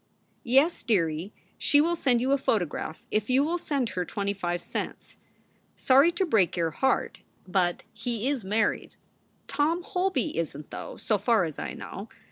Yes, dearie, she will send you a photograph if you will send her 25 cents. Sorry to break your heart, but he is married. Tom Holby isn t, though, so far as I know.